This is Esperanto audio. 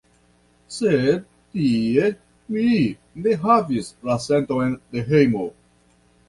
Sed tie mi ne havis la senton de hejmo.